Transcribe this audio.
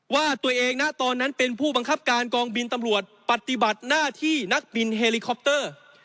ว่าตัวเองนะตอนนั้นเป็นผู้บังคับการกองบินตำรวจปฏิบัติหน้าที่นักบินเฮลิคอปเตอร์